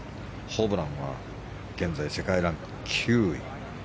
ホブランは現在、世界ランク９位。